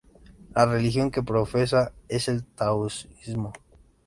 La religión que profesa es el taoísmo.